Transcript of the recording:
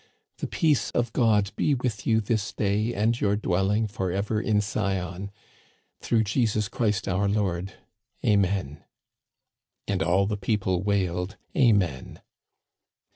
The peace of God be with you this day, and your dwell ing forever in Sion; through Jesus Christ our' Lord. Amen." And all the people wailed " Amen."